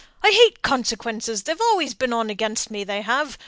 I hate consequences; they've always been against me; they have.